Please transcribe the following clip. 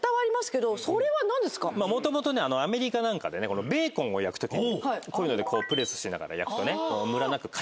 もともとアメリカなんかでベーコンを焼くときにこういうのでプレスしながら焼くと。